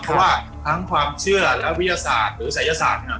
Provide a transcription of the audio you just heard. เพราะว่าทั้งความเชื่อและวิทยาศาสตร์หรือศัยศาสตร์เนี่ย